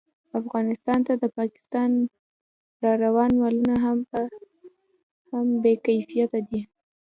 افغانستان ته د پاکستان راروان مالونه هم بې کیفیته دي